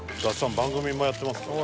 番組もやってますからね。